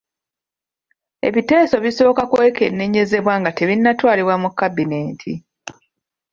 Ebiteeso bisooka kwekenneenyezebwa nga tebinnatwalibwa mu kabineeti.